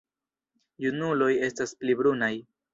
Junuloj estas pli brunaj.